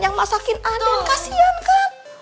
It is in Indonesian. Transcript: yang masakin aden kasian kan